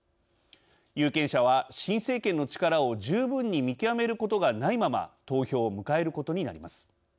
有権者は、新政権の力を十分に見極めることがないまま投票を迎えることになります。